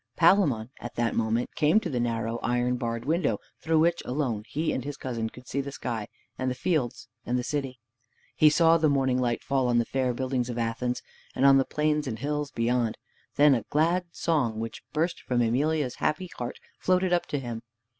Palamon at that moment came to the narrow iron barred window through which alone he and his cousin could see the sky and the fields and the city. He saw the morning light fall on the fair buildings of Athens, and on the plains and hills beyond. Then a glad song which burst from Emelia's happy heart floated up to him.